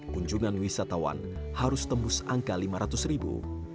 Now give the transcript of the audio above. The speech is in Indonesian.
kunjungan wisatawan harus tembus angka lima ratus ribu